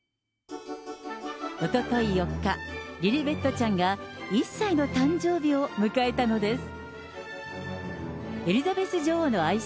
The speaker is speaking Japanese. おととい４日、リリベットちゃんが１歳の誕生日を迎えたのです。